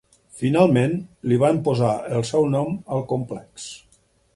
Finalment, li van posar el seu nom al complex.